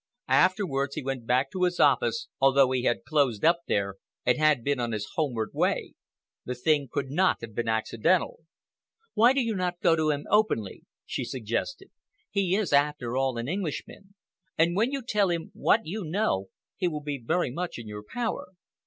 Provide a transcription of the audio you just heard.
Afterwards he went back to his office, although he had closed up there and had been on his homeward way. The thing could not have been accidental." "Why do you not go to him openly?" she suggested. "He is, after all, an Englishman, and when you tell him what you know he will be very much in your power.